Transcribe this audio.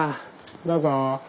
どうぞ。